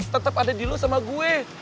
tetap ada di lu sama gue